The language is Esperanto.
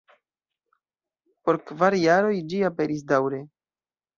Por kvar jaroj ĝi aperis daŭre.